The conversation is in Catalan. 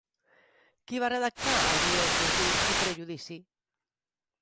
Qui va redactar el guió d'Orgull i prejudici?